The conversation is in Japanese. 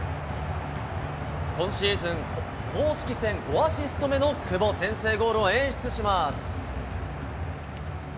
今シーズン、公式戦５アシスト目の久保、先制ゴールを演出します。